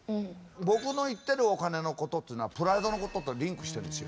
僕の言ってるお金のことっていうのはプライドのこととリンクしてるんですよ。